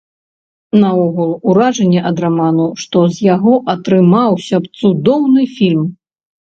Наогул, уражанне ад раману, што з яго атрымаўся б цудоўны фільм.